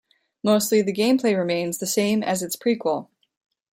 Mostly the gameplay remains the same as its prequel.